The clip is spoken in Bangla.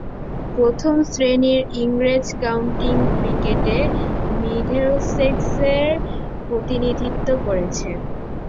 প্রথম-শ্রেণীর ইংরেজ কাউন্টি ক্রিকেটে মিডলসেক্সের প্রতিনিধিত্ব করেছেন।